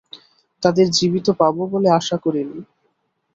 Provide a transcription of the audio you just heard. তাদের জীবিত পাবো বলে আশা করিনি।